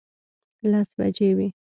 لس بجې وې.